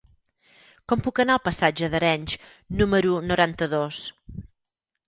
Com puc anar al passatge d'Arenys número noranta-dos?